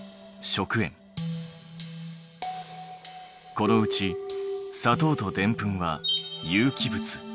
このうち砂糖とデンプンは有機物。